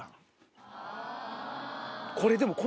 これでも。